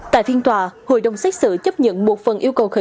tại phiên tòa hội đồng xét xử chấp nhận một phần yêu cầu khởi